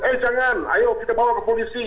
eh jangan ayo kita bawa ke polisi